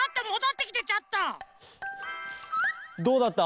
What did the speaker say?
どうだった？